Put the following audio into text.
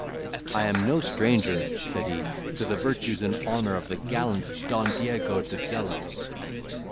"I am no stranger," said he, "to the virtues and honour of the gallant Don Diego de Zelos."